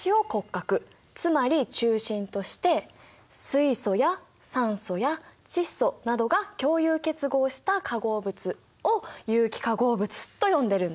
つまり中心として水素や酸素や窒素などが共有結合した化合物を有機化合物と呼んでるんだ。